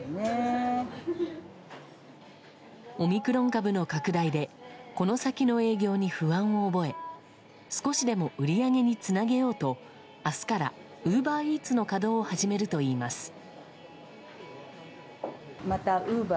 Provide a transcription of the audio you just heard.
オミクロン株の拡大でこの先の営業に不安を覚え少しでも売り上げにつなげようと明日からウーバーイーツの稼働を始めるといいます。